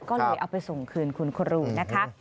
ก็เลยเอาไปส่งคืนคุณครูนะคะ